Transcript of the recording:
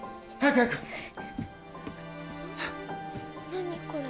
何これ？